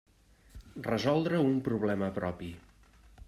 Resoldre un problema propi.